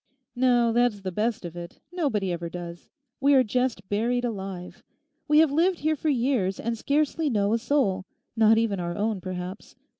'No, that's the best of it; nobody ever does. We are just buried alive. We have lived here for years, and scarcely know a soul—not even our own, perhaps.